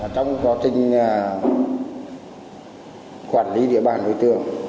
trong báo tin quản lý địa bàn đối tượng